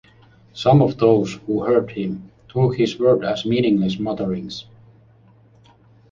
Some of those who heard him, took his words as meaningless mutterings.